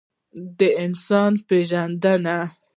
د انسان پېژندنه.